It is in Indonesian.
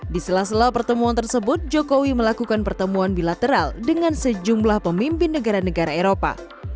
di sela sela pertemuan tersebut jokowi melakukan pertemuan bilateral dengan sejumlah pemimpin negara negara eropa